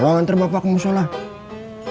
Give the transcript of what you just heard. kalau nanti bapak mau sholat